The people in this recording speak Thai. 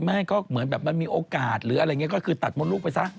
ไม่ก็เหมือนแบบมันมีโอกาสหรืออะไรอย่างนี้ก็คือตัดมดลูกไปซะ